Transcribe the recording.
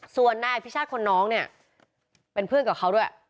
ส่วนนายอภิชาติคนน้องเนี่ยเป็นเพื่อนกับเขาด้วย